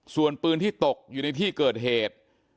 ส่วนปืนที่ตกอยู่ในที่เกิดเหตุ